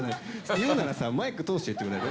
言うならさ、マイク通して言ってくんない？